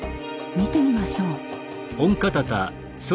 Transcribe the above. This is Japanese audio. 見てみましょう。